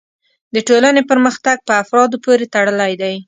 د ټولنې پرمختګ په افرادو پورې تړلی دی.